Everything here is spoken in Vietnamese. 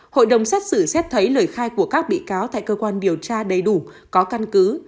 hội đồng xét xử xét thấy lời khai của các bị cáo tại cơ quan điều tra đầy đủ có căn cứ